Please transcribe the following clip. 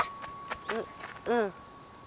ううん。